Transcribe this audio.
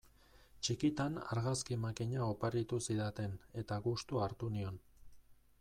Txikitan argazki makina oparitu zidaten eta gustua hartu nion.